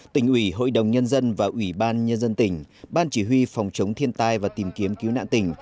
tỉnh ủy hội đồng nhân dân và ủy ban nhân dân tỉnh ban chỉ huy phòng chống thiên tai và tìm kiếm cứu nạn tỉnh